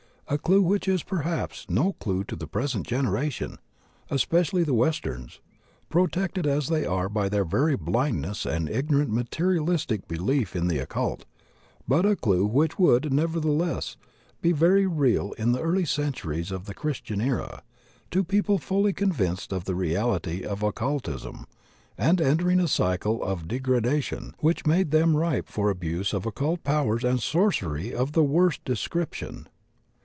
A clue which is, perhaps, no clue to the present generation — especially the Westerns — ^protected as they are by their very blindness and ignorant materialistic disbelief in the occult; but a clue which would, nevertheless, be very real in the early centuries of the THE SEVENFOLD CLASSIFICATION 31 Christian era, to people fully convinced of the reality of oc cultism and entering a cycle of degradation which made them ripe for abuse of occult powers and sorcery of the worst de scription.